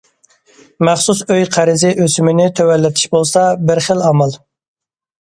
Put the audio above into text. مەخسۇس ئۆي قەرزى ئۆسۈمىنى تۆۋەنلىتىش بولسا بىر خىل ئامال.